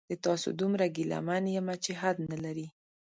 د تاسو دومره ګیله من یمه چې حد نلري